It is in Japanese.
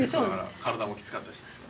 体もきつかったし。